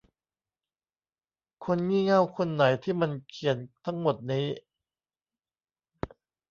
คนงี่เง่าคนไหนที่มันเขียนทั้งหมดนี้ ?